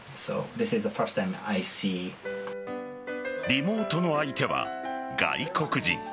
リモートの相手は外国人。